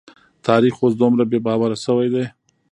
تاريخ اوس دومره بې باوره شوی دی.